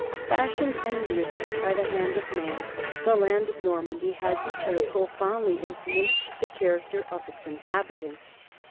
Fashioned and enriched by the hand of man, the land of Normandy has in turn profoundly influenced the character of its inhabitants.